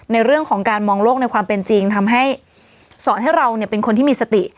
ในเรื่องของการมองโลกในความเป็นจริงทำให้สอนให้เราเป็นคนที่มีสติ